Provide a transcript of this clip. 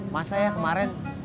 masa ya kemaren